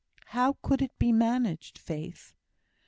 "How could it be managed, Faith?"